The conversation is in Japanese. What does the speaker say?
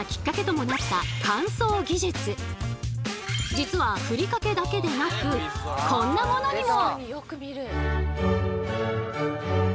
実はふりかけだけでなくこんなものにも！